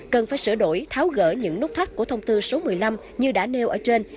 cần phải sửa đổi tháo gỡ những nút thắt của thông tư số một mươi năm như đã nêu ở trên